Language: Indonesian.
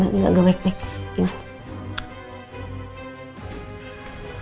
gak gak gak baik baik